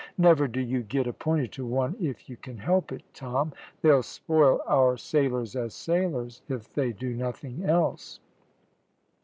Never do you get appointed to one if you can help it, Tom. They'll spoil our sailors as sailors if they do nothing else."